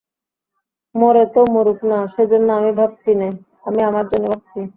মরে তো মরুক-না, সেজন্য আমি ভাবছি নে– আমি আমার জন্যে ভাবছি।